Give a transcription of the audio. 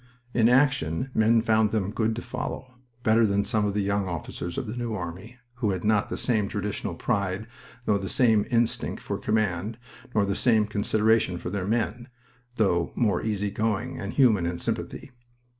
In action men found them good to follow better than some of the young officers of the New Army, who had not the same traditional pride nor the same instinct for command nor the same consideration for their men, though more easy going and human in sympathy.